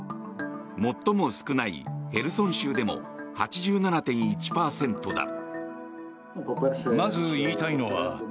最も少ないヘルソン州でも８７．１％だ。